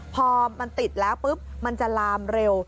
พอมันติดแล้วปุ๊บมันจะลามเร็ว